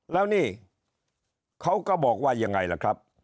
แล้วนี่เขาก็บอกว่ายังไงล่ะครับ